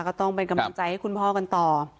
ขอบใจให้คุณพ่อกันต่อ